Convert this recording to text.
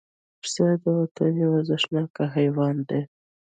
پسه د وطن یو ارزښتناک حیوان دی.